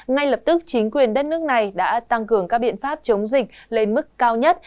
ngay lập tức chính quyền đất nước này đã tăng cường các biện pháp chống dịch lên mức cao nhất